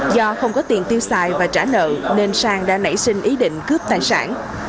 do không có tiền tiêu xài và trả nợ nên sang đã nảy sinh ý định cướp tài sản